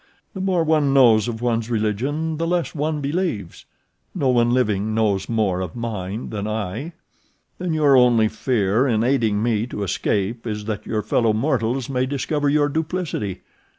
The more one knows of one's religion the less one believes—no one living knows more of mine than I." "Then your only fear in aiding me to escape is that your fellow mortals may discover your duplicity?"